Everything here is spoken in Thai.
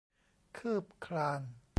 คืบคลาน